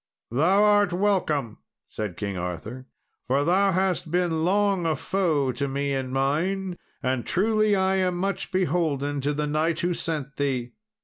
"Thou art welcome," said King Arthur, "for thou hast been long a foe to me and mine, and truly I am much beholden to the knight who sent thee.